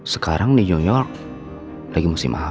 sekarang di new york lagi musim apa ya